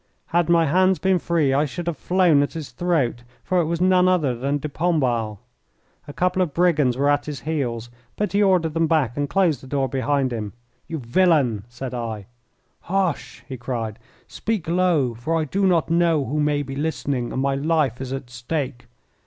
Had my hands been free I should have flown at his throat, for it was none other than de Pombal. A couple of brigands were at his heels, but he ordered them back and closed the door behind him. "You villain!" said I. "Hush!" he cried. "Speak low, for I do not know who may be listening, and my life is at stake.